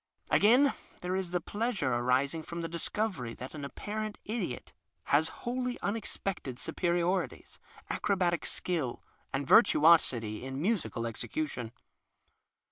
Again, there is the pleasure arising from the discovery that an apparent idiot has wholly unexpected superiorities, acrobatic skill, and vir tuosity in musical execution.